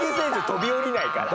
飛び降りないから。